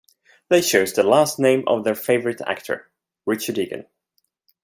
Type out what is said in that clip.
They chose the last name of their favorite actor, Richard Egan.